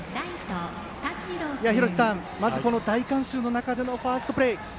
廣瀬さん、まず大観衆の中でのファーストプレー。